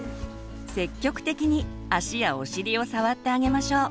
積極的に足やお尻を触ってあげましょう。